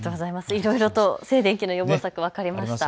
いろいろと静電気の予防策、分かりました。